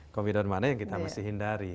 komidor mana yang kita mesti hindari